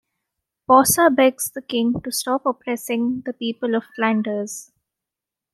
Posa begs the King to stop oppressing the people of Flanders.